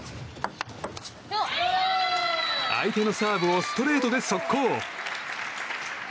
相手のサーブをストレートで速攻。